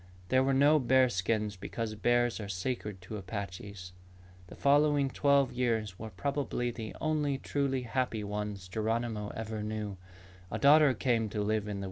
There were no bear skins because bears are sacred to Apaches. The following twelve years were probably the only truly happy ones Geronimo ever knew.